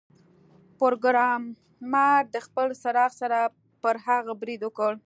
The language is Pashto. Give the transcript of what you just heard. پروګرامر د خپل څراغ سره پر هغه برید وکړ